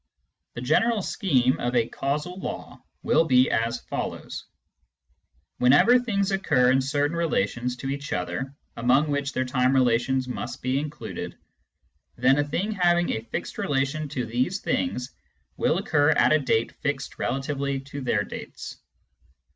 The general scheme of a causal law will be as follows : "Whenever things occur in certain relations to each other (among which their time relations must be included), then a thing having a fixed relation to these things will occur at a date fixed relatively to their dates."